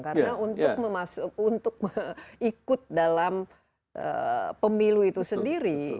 karena untuk ikut dalam pemilu itu sendiri